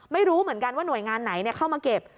ไม่รู้เหมือนกันว่าหน่วยงานไหนเข้ามาเก็บ